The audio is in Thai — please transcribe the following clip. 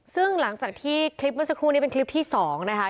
ซึ่งหลังจากที่คลิปเมื่อสักครู่นี้เป็นคลิปที่๒นะคะ